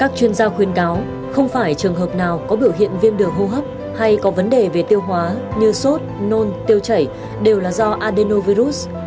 các chuyên gia khuyên cáo không phải trường hợp nào có biểu hiện viêm đường hô hấp hay có vấn đề về tiêu hóa như sốt nôn tiêu chảy đều là do adenovirus